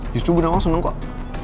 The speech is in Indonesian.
justru ibu nawang seneng kok